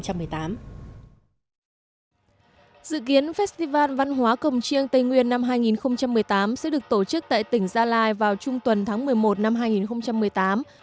dự kiến festival văn hóa cổng chiêng tây nguyên năm hai nghìn một mươi tám sẽ được tổ chức tại tỉnh gia lai vào trung tuần tháng một mươi một năm hai nghìn một mươi tám